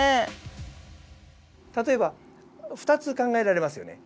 例えば２つ考えられますよね。